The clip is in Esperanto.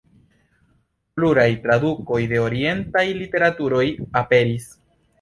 Pluraj tradukoj de orientaj literaturoj aperis.